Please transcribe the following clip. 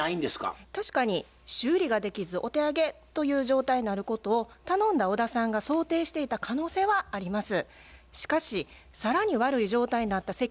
確かに修理ができずお手上げという状態になることを頼んだ小田さんが想定していた可能性はあります。